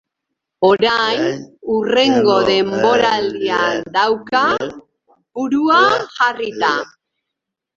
Orain hurrengo denboraldian dauka burua jarrita.